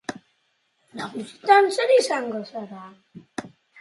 Nagusitan zer izango zara?